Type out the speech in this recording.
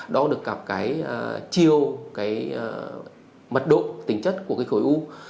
đo được gặp cái chiêu cái mật độ tính chất của cái khối u